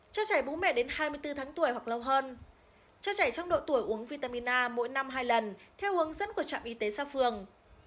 cho trẻ bú mẹ đến hai mươi bốn tháng tuổi hoặc lâu hơn cho trẻ trong độ tuổi uống vitamin a mỗi năm hai lần theo hướng dẫn của trạm y tế xã phường